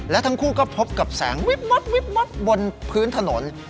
และทั้งคู่ก็พบกับแสงวิบมฟบลพื้นถนน